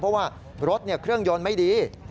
เพราะว่ารถเครื่องยนต์ไม่ดี